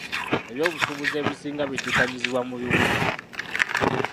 Eby'obusuubuzi ebisinga biddukanyizibwa mu bibuga.